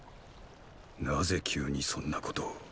なぜ急にそんなことを。